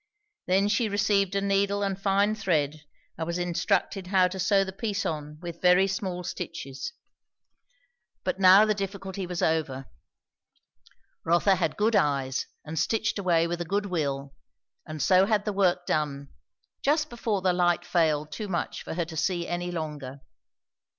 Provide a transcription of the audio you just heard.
Then she received a needle and fine thread and was instructed how to sew the piece on with very small stitches. But now the difficulty was over. Rotha had good eyes and stitched away with a good will; and so had the work done, just before the light failed too much for her to see any longer.